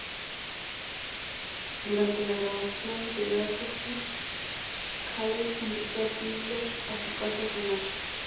Durante la grabación de Grateful, Khaled invitó a Tiller a su casa a cenar.